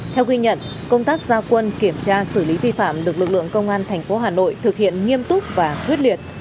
theo quy nhận công tác giao quân kiểm tra xử lý vi phạm được lực lượng công an thành phố hà nội thực hiện nghiêm túc và huyết liệt